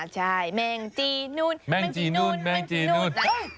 ใช่แมงจีนูนแมงจีนูนแมงจีนูน